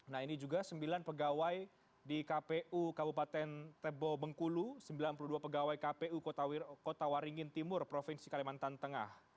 nah ini juga sembilan pegawai di kpu kabupaten tebo bengkulu sembilan puluh dua pegawai kpu kota waringin timur provinsi kalimantan tengah